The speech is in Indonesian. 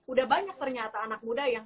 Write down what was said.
udah banyak ternyata anak muda yang